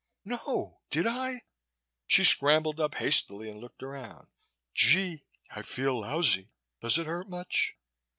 "No, did I?" She scrambled up hastily and looked around. "Gee, I feel lousy. Does it hurt much?"